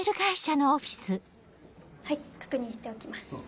はい確認しておきます。